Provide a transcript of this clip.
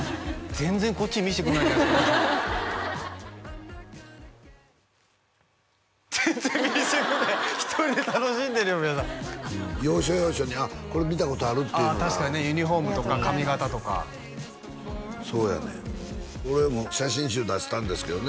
全然こっちに見せてくれないじゃないですか全然見せてこない１人で楽しんでるよべーさん要所要所にこれ見たことあるっていうのが確かにねユニフォームとか髪形とかそうやねん俺も写真集出したんですけどね